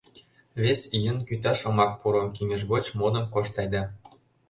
— Вес ийын кӱташ омак пуро, кеҥеж гоч модын кошт айда...